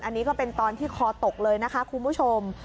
อันนี้ก็เป็นตอนที่คอตกเลยนะคะคุณผู้ชม